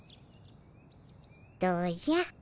どうじゃ？